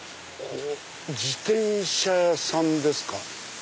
自転車屋さんですか。